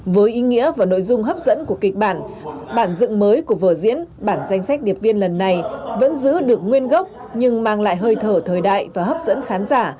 với ý nghĩa và nội dung hấp dẫn của kịch bản bản dựng mới của vở diễn bản danh sách điệp viên lần này vẫn giữ được nguyên gốc nhưng mang lại hơi thở thời đại và hấp dẫn khán giả